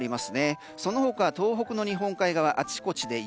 その他、東北の日本海側あちこちで雪